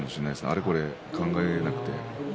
あれこれ考えなくて。